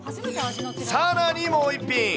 さらにもう１品。